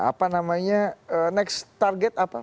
apa namanya next target apa